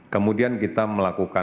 kemudian kita mengambilnya